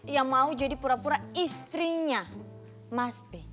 yang mau jadi pura pura istrinya mas b